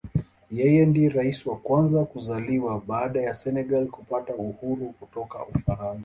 Yeye ndiye Rais wa kwanza kuzaliwa baada ya Senegal kupata uhuru kutoka Ufaransa.